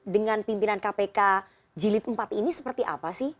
dengan pimpinan kpk jilid empat ini seperti apa sih